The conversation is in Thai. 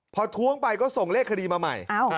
พอท้วงไปก็ส่งเลขคดีมาใหม่